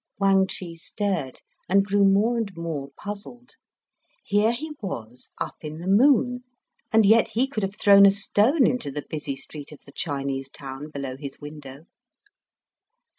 Wang Chih stared, and grew more and more puzzled. Here he was up in the moon, and yet he could have thrown a stone into the busy street of the Chinese town below his window.